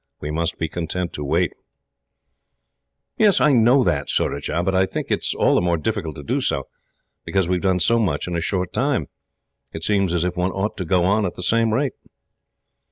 We must be content to wait." "Yes, I know that, Surajah, but I think it is all the more difficult to do so, because we have done so much in a short time. It seems as if one ought to go on at the same rate."